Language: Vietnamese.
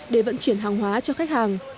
để vận chuyển hàng hóa cho khách hàng